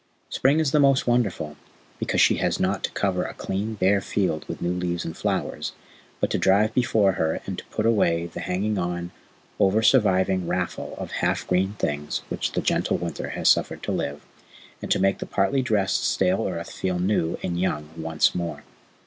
Spring is the most wonderful, because she has not to cover a clean, bare field with new leaves and flowers, but to drive before her and to put away the hanging on, over surviving raffle of half green things which the gentle winter has suffered to live, and to make the partly dressed stale earth feel new and young once more.